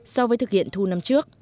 so với thực hiện thu năm trước